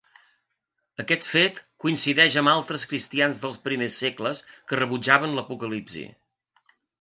Aquest fet coincideix amb altres cristians dels primers segles que rebutjaven l'Apocalipsi.